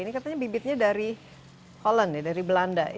ini katanya bibitnya dari holland ya dari belanda